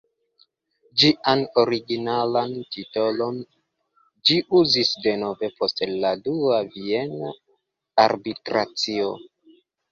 Ĝian originalan titolon ĝi uzis denove post la dua Viena arbitracio.